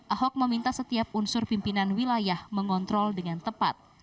ahok meminta setiap unsur pimpinan wilayah mengontrol dengan tepat